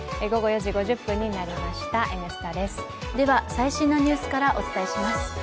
最新のニュースからお伝えします。